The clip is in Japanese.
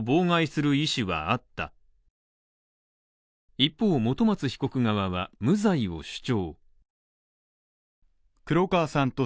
一方、本松被告側は無罪を主張。